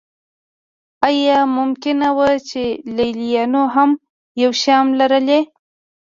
آیا ممکنه نه وه چې لېلیانو هم یو شیام لرلی